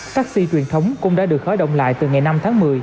taxi truyền thống cũng đã được khởi động lại từ ngày năm tháng một mươi